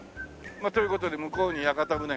という事で向こうに屋形船が。